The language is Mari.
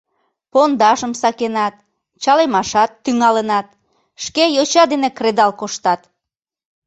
— Пондашым сакенат, чалемашат тӱҥалынат, шке йоча дене кредал коштат.